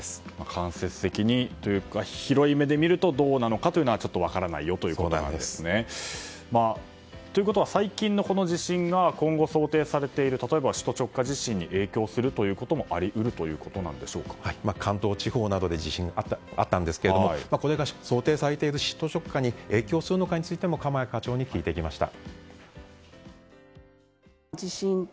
間接的にというか広い目で見るとどうなのかはちょっと分からないよということなんですね。ということは、最近の地震が今後、想定されている例えば首都直下型地震に影響することも関東地方などで地震があったんですがこれが想定されている首都直下に影響するのかについても鎌谷課長に聞いてきました。